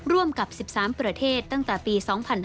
ร่วมกับ๑๓ประเทศตั้งแต่ปี๒๕๕๙